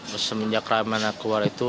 bus minyak rame yang keluar itu